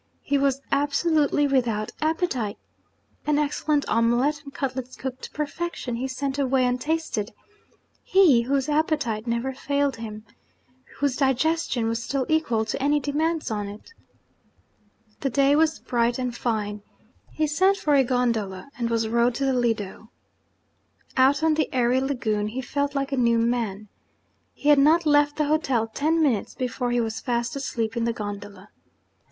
He was absolutely without appetite. An excellent omelette, and cutlets cooked to perfection, he sent away untasted he, whose appetite never failed him, whose digestion was still equal to any demands on it! The day was bright and fine. He sent for a gondola, and was rowed to the Lido. Out on the airy Lagoon, he felt like a new man. He had not left the hotel ten minutes before he was fast asleep in the gondola.